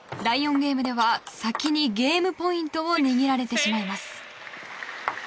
第４ゲームでは先にゲームポイントを握られてしまいます。